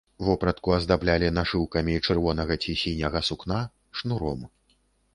Вопратку аздаблялі нашыўкамі чырвонага ці сіняга сукна, шнуром.